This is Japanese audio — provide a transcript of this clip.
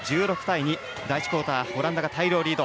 第１クオーターオランダが大量リード。